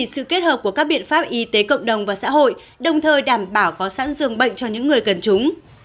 sự kết hợp của các biện pháp y tế cộng đồng và xã hội đồng thời đảm bảo có sẵn dường bệnh cho những người cần chúng